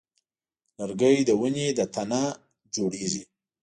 لرګی د ونې له تنه جوړېږي.